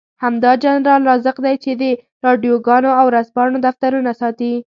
همدا جنرال رازق دی چې د راډيوګانو او ورځپاڼو دفترونه ساتي.